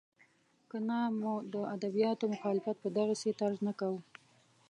که نه مو د ادبیاتو مخالفت په دغسې طرز نه کاوه.